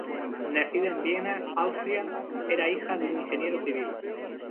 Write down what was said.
Nacida en Viena, Austria, era hija de un ingeniero civil.